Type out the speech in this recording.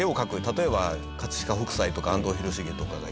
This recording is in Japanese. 例えば飾北斎とか安藤広重とかがいて。